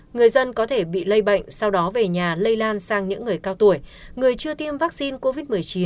người dân có thể bị lây bệnh sau đó về nhà lây lan sang những người cao tuổi người chưa tiêm vaccine covid một mươi chín